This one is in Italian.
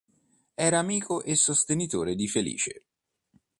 Era amico e sostenitore di Felice.